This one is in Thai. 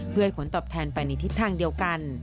เพื่อให้ผลตอบแทนไปในทิศทางเดียวกัน